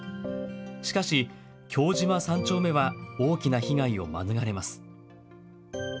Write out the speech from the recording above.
しかし京島３丁目は大きな被害を免れます。